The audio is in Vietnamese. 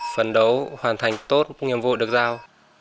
phần đấu hoàn thành tốt nhiệm vụ được giao